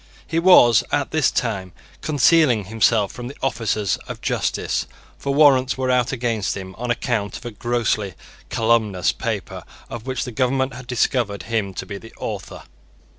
He was, at this time, concealing himself from the officers of justice; for warrants were out against him on account of a grossly calumnious paper of which the government had discovered him to be the author.